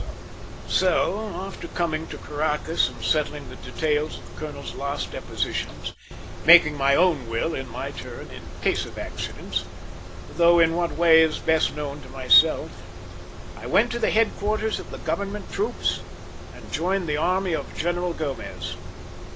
So, soon after coming to Caracas and settling the details of the colonel's last depositions, making my own will in my turn in case of accidents, though in what way is best known to myself, I went to the headquarters of the Government troops and joined the army of General Gomez.